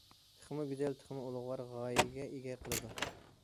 تېخىمۇ گۈزەل، تېخىمۇ ئۇلۇغۋار غايىگە ئىگە قىلىدۇ.